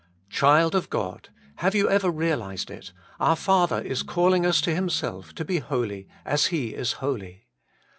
Child of God, have you ever realized it, our Father is calling us to Himself, to be holy as He is holy